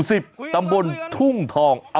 จัดกระบวนพร้อมกัน